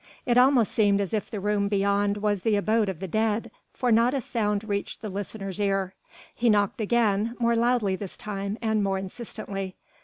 It almost seemed as if the room beyond was the abode of the dead, for not a sound reached the listener's ear. He knocked again, more loudly this time and more insistently.